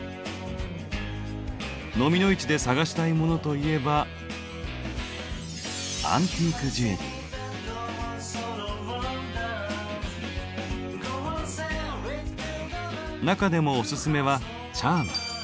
のみの市で探したいモノといえば中でもお薦めはチャーム。